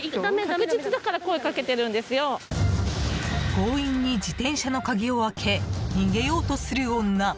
強引に自転車の鍵を開け逃げようとする女。